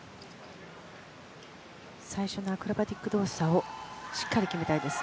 最初のアクロバティック動作をしっかり決めたいです。